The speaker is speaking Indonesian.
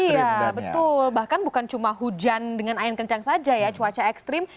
iya betul bahkan bukan cuma hujan dengan angin kencang saja ya cuaca ekstrim